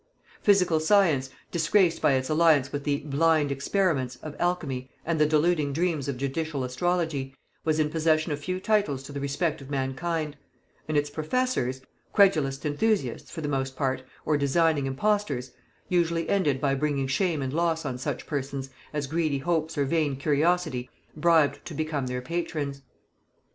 Physical science, disgraced by its alliance with the "blind experiments" of alchemy and the deluding dreams of judicial astrology, was in possession of few titles to the respect of mankind; and its professors, credulous enthusiasts, for the most part, or designing impostors, usually ended by bringing shame and loss on such persons as greedy hopes or vain curiosity bribed to become their patrons.